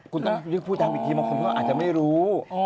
คุณพูดดังอีกทีมันคุณก็อาจจะไม่รู้